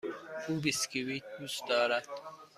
او بیسکوییت دوست دارد.